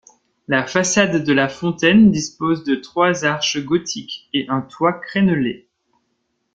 La façade de la fontaine dispose de trois arches Gothiques et un toit crénelé.